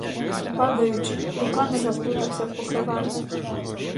Падаючи, руками заплутався в покривалі.